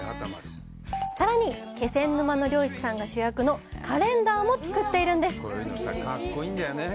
さらに、気仙沼の漁師さんが主役のカレンダーも作っているんです！